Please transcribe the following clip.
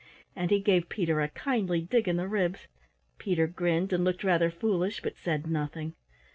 And he gave Peter a kindly dig in the ribs. Peter grinned and looked rather foolish but said nothing.